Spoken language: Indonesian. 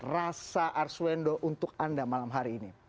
rasa arswendo untuk anda malam hari ini